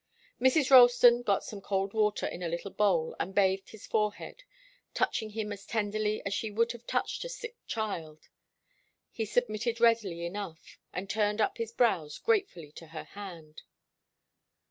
Mrs. Ralston got some cold water in a little bowl, and bathed his forehead, touching him as tenderly as she would have touched a sick child. He submitted readily enough, and turned up his brows gratefully to her hand.